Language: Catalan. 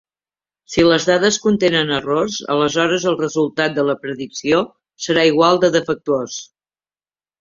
Si les dades contenen errors, aleshores el resultat de la predicció serà igual de defectuós.